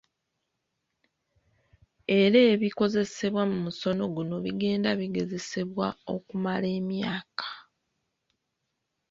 Era ebikozesebwa mu musono guno bigenda bigezesebwa okumala emyaka.